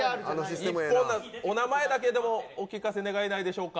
お名前だけでもお聞かせ願えないでしょうか。